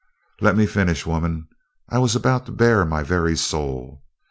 "Let me finish, woman; I was about to bare my very soul.